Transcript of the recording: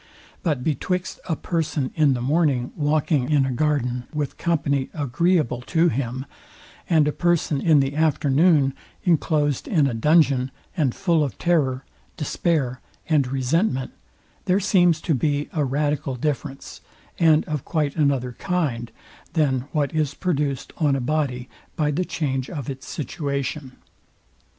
But betwixt a person in the morning walking a garden with company, agreeable to him; and a person in the afternoon inclosed in a dungeon, and full of terror, despair, and resentment, there seems to be a radical difference, and of quite another kind, than what is produced on a body by the change of its situation.